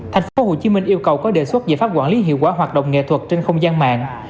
tp hcm yêu cầu có đề xuất giải pháp quản lý hiệu quả hoạt động nghệ thuật trên không gian mạng